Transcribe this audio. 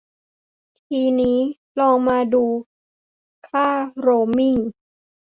ที่นี้ลองมาดูค่าโรมมิ่ง